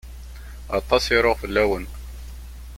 Aṭas i ruɣ fell-awen.